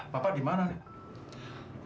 bapak dimana nih